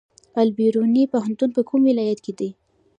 البیروني پوهنتون په کوم ولایت کې دی؟